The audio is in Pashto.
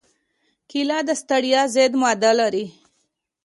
کېله د ستړیا ضد ماده لري.